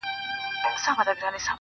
څنگ ته چي زه درغــــلـم~